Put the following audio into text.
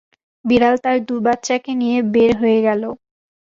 বিড়াল তার দু বাচ্চাকে নিয়ে বের হয়ে গেল।